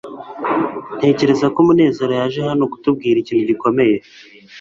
Ntekereza ko Munezero yaje hano kutubwira ikintu gikomeye